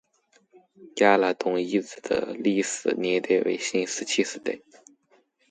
亚拉东遗址的历史年代为新石器时代。